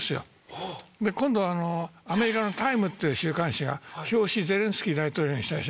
で今度アメリカの『ＴＩＭＥ』っていう週刊誌が表紙ゼレンスキー大統領にしたでしょ。